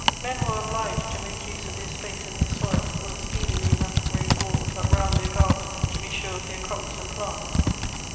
Men who are obliged to make use of their space and their soil, will speedily enough raise walls up round their gardens to be sure of their crops and plants.